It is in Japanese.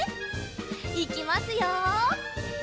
いきますよ！